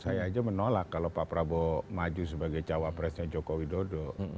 saya aja menolak kalau pak prabowo maju sebagai cawapresnya joko widodo